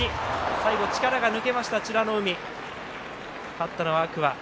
最後、力が抜けました美ノ海。